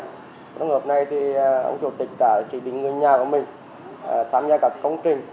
trường hợp này thì ông chủ tịch đã chỉ định người nhà của mình tham gia các công trình